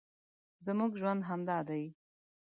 زموږ ژوند همدا دی